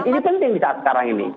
dan ini penting di saat sekarang ini